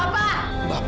siapa yang bunuh papa